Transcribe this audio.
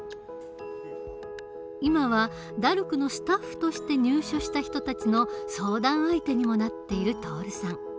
今はＤＡＲＣのスタッフとして入所した人たちの相談相手にもなっている徹さん。